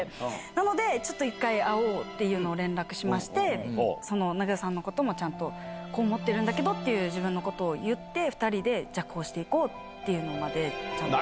なので、ちょっと一回会おうというのを連絡しまして、長与さんのこともちゃんと、こう思ってるんだけどっていうことを自分のことを言って、２人でじゃあ、こうしていこうっていうのまで、ちゃんと。